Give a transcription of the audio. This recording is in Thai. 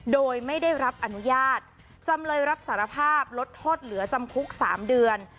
โดยไม่ได้รับอนุญาตจำเลยรับสารภาพลดโทษเหลือจำคุก๓เดือน